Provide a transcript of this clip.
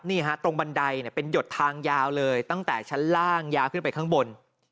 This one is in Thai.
นี่ฮะตรงบันไดเป็นหยดทางยาวเลยตั้งแต่ชั้นล่างยาวขึ้นไปข้างบน